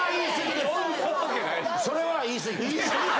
・それは言い過ぎです！